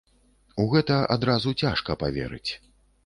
У гэта адразу цяжка паверыць.